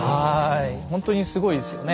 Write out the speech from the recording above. ほんとにすごいですよね。